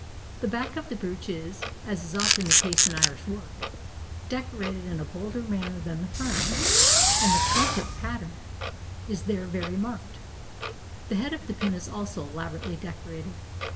The back of the brooch is, as is often the case in Irish work, decorated in a bolder manner than the front, and the "trumpet" pattern is there very marked. The head of the pin is also elaborately decorated.